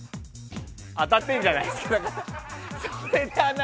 当たってるんじゃないですかだから！